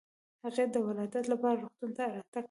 هغې د ولادت لپاره روغتون ته راتګ کړی و.